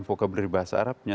vocabulary bahasa arabnya